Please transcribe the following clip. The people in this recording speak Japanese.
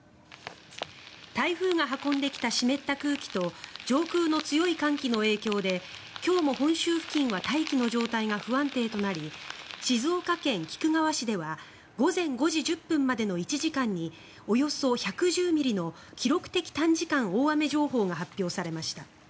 台風が運んできた湿った空気と上空の強い寒気の影響で今日も本州付近は大気の状態が不安定となり静岡県菊川市では午前５時１０分までの１時間におよそ１１０ミリの記録的短時間大雨情報が発表されました。